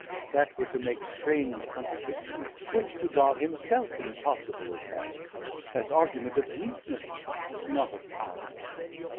that were to make Strange contradiction, which to God himself Impossible is held, as Argument 800 Of weakness, not of Power.